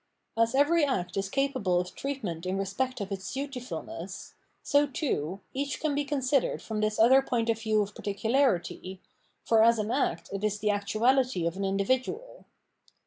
As every act is capable of treatment in respect of its dutifulness, so, too, each can be considered from this, other point of view of particularity ; for as an act it is the actuality of an individual.